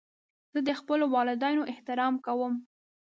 زه د خپلو والدینو احترام کوم.